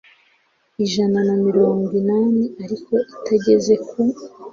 ijana na mirongo inani ariko itageze ku